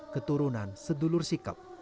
keturunan sedulur sikep